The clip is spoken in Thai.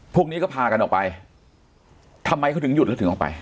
พวกนี้ก็พากันออกไปทำไมเขาถึงหยุดแล้วถึงออกไป